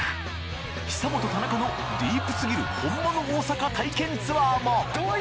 久本・田中のディープすぎるホンマの大阪体験ツアーも！